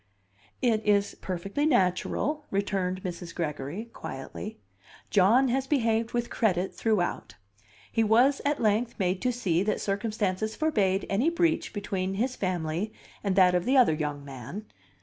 "It is perfectly natural," returned Mrs. Gregory, quietly. "John has behaved with credit throughout. He was at length made to see that circumstances forbade any breach between his family and that of the other young man.